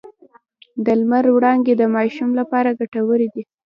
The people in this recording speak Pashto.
د لمر وړانګې د ماشوم لپاره ګټورې دي۔